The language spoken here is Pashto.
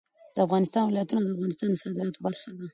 د افغانستان ولايتونه د افغانستان د صادراتو برخه ده.